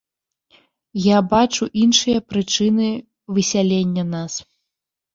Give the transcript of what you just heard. Я бачу іншыя прычыны высялення нас.